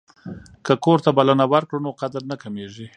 که کور ته بلنه ورکړو نو قدر نه کمیږي.